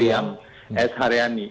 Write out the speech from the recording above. kiriam s haryani